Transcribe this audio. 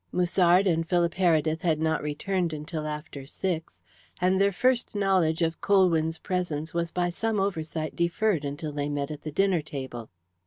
Musard and Philip Heredith had not returned until after six, and their first knowledge of Colwyn's presence was by some oversight deferred until they met at the dinner table.